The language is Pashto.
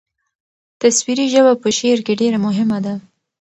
تصویري ژبه په شعر کې ډېره مهمه ده.